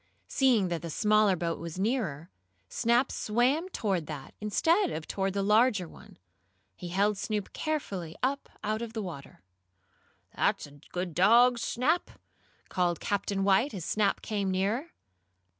Seeing that the smaller boat was nearer, Snap swam toward that, instead of toward the larger one. He held Snoop carefully up out of the water. "That's a good dog, Snap!" called Captain White, as Snap came nearer.